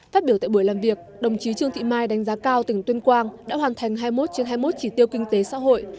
phát biểu tại buổi làm việc đồng chí trương thị mai đánh giá cao tỉnh tuyên quang đã hoàn thành hai mươi một trên hai mươi một chỉ tiêu kinh tế xã hội